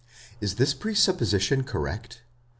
Is this presupposition cor rect?